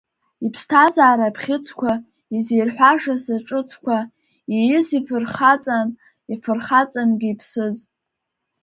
Иԥсҭазаара абӷьыцқәа, изирҳәашаз аҿыцқәа, ииз ифырхаҵан, ифырхаҵангьы иԥсыз.